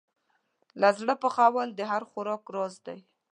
له زړه پخول د هر خوراک راز دی.